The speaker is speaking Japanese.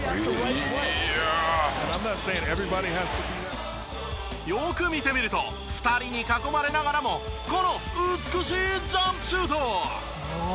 「いや」よく見てみると２人に囲まれながらもこの美しいジャンプシュート！